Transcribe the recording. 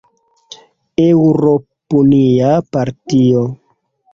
Eŭropunia partio.